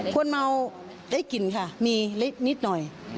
คนเมาได้กลิ่นค่ะมีนิดหน่อย